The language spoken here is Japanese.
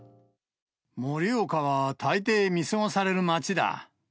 盛岡はたいてい見過ごされる街だ。